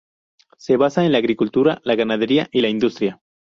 Se basa en la agricultura, la ganadería y la industria.